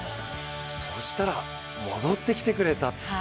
そしたら、戻ってきてくれた。